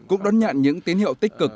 cũng đón nhận những tiến hiệu tích cực